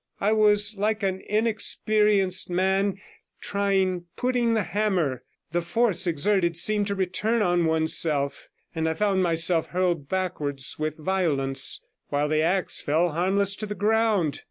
I was like an inexperienced man trying "putting the hammer" ; the force exerted seemed to return on oneself, and I found myself hurled backwards with violence, while the axe fell harmless to the ground.